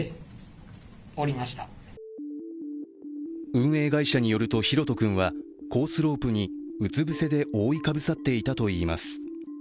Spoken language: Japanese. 運営会社によると、大翔君はコースロープにうつ伏せで覆いかぶさっていたといいます。